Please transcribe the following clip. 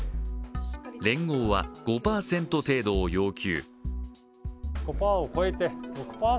連合は５％程度を要求。